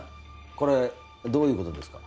これどういうことですか？